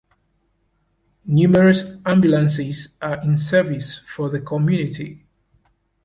Numerous ambulances are in service for the community.